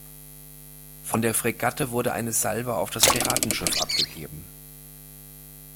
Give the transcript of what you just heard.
Von der Fregatte wurde eine Salve auf das Piratenschiff abgegeben.